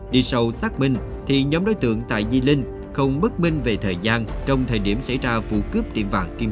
đi sâu xác minh thì nhóm đối tượng tại di linh không bất minh về thời gian trong thời điểm xảy ra vụ cướp tiệm vàng kim